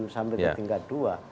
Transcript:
sampai ke tingkat dua